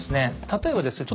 例えばですね